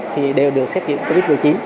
thì đều được xét nghiệm covid một mươi chín